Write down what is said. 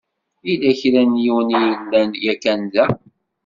Yella kra n yiwen i yellan yakan da.